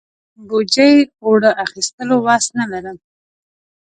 بوجۍ اوړو اخستلو وس نه لرم.